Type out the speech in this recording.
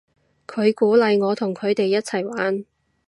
佢鼓勵我同佢哋一齊玩